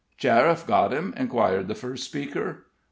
"Sheriff got him?" inquired the first speaker.